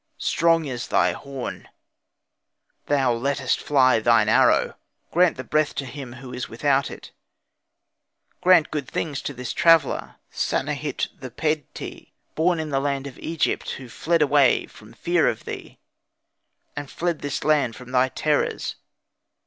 Strong is thy horn, Thou lettest fly thine arrow. Grant the breath to him who is without it; Grant good things to this traveller, Samehit the Pedti, born in the land of Egypt, Who fled away from fear of thee, And fled this land from thy terrors.